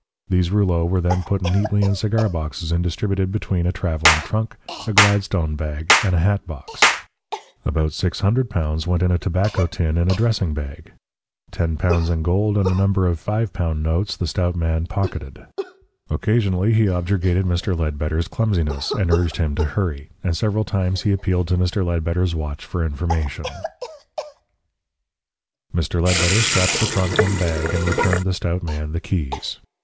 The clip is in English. These rouleaux were then put neatly in cigar boxes and distributed between a travelling trunk, a Gladstone bag, and a hatbox. About L600 went in a tobacco tin in a dressing bag. L10 in gold and a number of L5 notes the stout man pocketed. Occasionally he objurgated Mr. Ledbetter's clumsiness, and urged him to hurry, and several times he appealed to Mr. Ledbetter's watch for information. Mr. Ledbetter strapped the trunk and bag, and returned the stout man the keys.